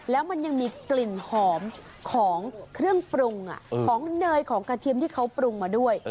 แล้วมันยังมีกลิ่นหอมของเครื่องปรุงของเนยของกระเทียมที่เขาปรุงมาด้วย